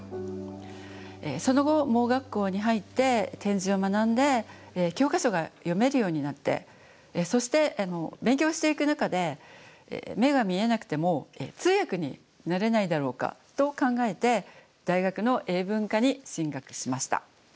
その後盲学校に入って点字を学んで教科書が読めるようになってそして勉強していく中で目が見えなくても通訳になれないだろうかと考えて大学の英文科に進学しました。